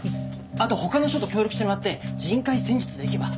あと他の署と協力してもらって人海戦術でいけば。